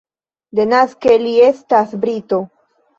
Denaske li estas brito.